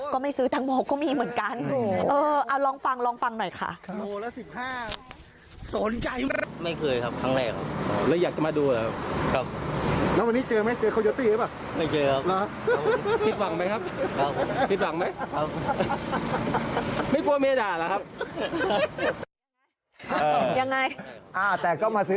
ก็ไม่ซื้อตังโมก็มีเหมือนกันเอาลองฟังลองฟังหน่อยค่ะ